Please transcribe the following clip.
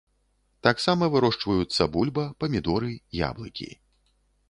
Таксама вырошчваюцца бульба, памідоры, яблыкі.